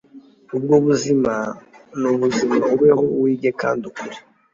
ubwo buzima nubuzima .. ubeho, wige kandi ukure